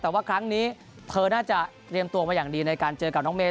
แต่ว่าครั้งนี้เธอน่าจะเตรียมตัวมาอย่างดีในการเจอกับน้องเมย